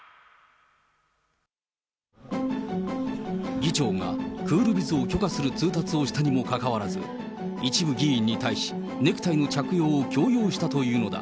議長がクールビズを許可する通達をしたにもかかわらず、一部議員に対し、ネクタイの着用を強要したというのだ。